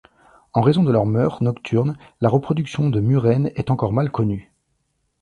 En raison de leurs mœurs nocturnes, la reproduction de murènes est encore mal connue.